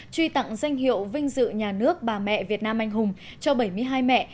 truy tặng danh hiệu vinh dự nhà nước bà mẹ việt nam anh hùng cho bảy mươi hai mẹ